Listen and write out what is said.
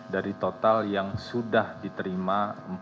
dari total yang sudah diterima